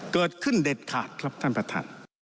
เกิดขึ้นเด็ดขาดครับท่านประธาน